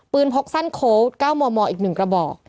พกสั้นโค้ด๙มมอีก๑กระบอก